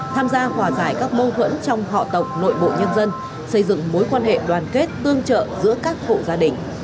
tham gia hòa giải các mâu thuẫn trong họ tổng nội bộ nhân dân xây dựng mối quan hệ đoàn kết tương trợ giữa các hộ gia đình